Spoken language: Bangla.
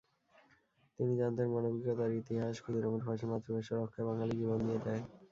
তিনি জানতেন, মানবিকতার ইতিহাস, ক্ষুদিরামের ফাঁসি, মাতৃভাষা রক্ষায় বাঙালি জীবন দিয়ে দেয়।